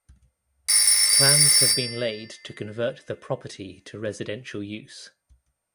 Plans have been laid to convert the property to residential use.